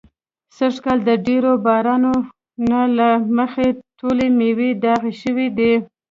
سږ کال د ډېرو بارانو نو له مخې ټولې مېوې داغي شوي دي.